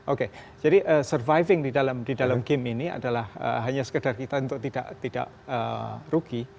oke jadi surviving di dalam game ini adalah hanya sekedar kita untuk tidak rugi